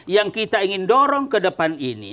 yang kita ingin dorong ke depan ini